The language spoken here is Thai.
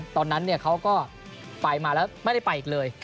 ตอนนั้นเขาก็ไปมาแล้วไม่ได้ไปอีกเลย